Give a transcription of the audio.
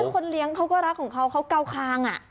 คนเลี้ยงเขาก็รักของเขาเขาเกาคาง